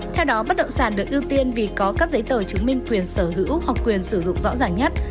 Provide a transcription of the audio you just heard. theo đó bất động sản được ưu tiên vì có các giấy tờ chứng minh quyền sở hữu hoặc quyền sử dụng rõ ràng nhất